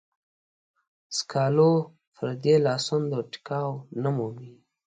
سکالو پردې لاسوندو ټيکاو نه مومي.